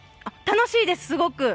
楽しいです、すごく。